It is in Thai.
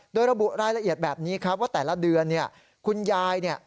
โดยระบุรายละเอียดแบบนี้ครับว่าแต่ละเดือนเนี่ยคุณยายเนี่ย